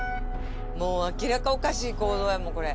もう明らかにおかしい行動やもんこれ。